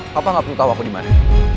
papa gak perlu tau aku dimana